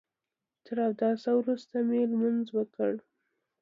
تر اوداسه وروسته مې لمونځ وکړ.